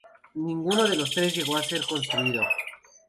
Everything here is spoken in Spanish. Ninguno de los tres llegó a ser construido.